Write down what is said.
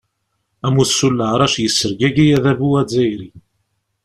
Amussu n leɛrac yessergagi adabu azzayri.